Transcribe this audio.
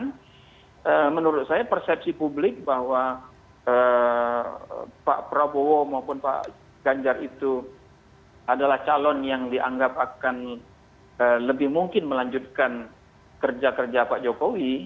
dan menurut saya persepsi publik bahwa pak prabowo maupun pak ganjar itu adalah calon yang dianggap akan lebih mungkin melanjutkan kerja kerja pak jokowi